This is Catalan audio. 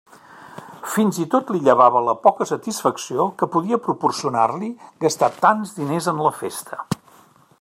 Fins i tot li llevava la poca satisfacció que podia proporcionar-li gastar tants diners en la festa.